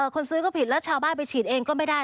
คนซื้อก็ผิดแล้วชาวบ้านไปฉีดเองก็ไม่ได้